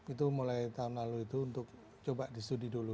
itu mulai tahun lalu itu untuk coba di studi dulu